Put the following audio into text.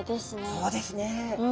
そうですね。